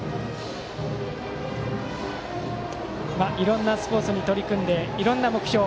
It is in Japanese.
いろいろなスポーツに取り組んでいろいろな目標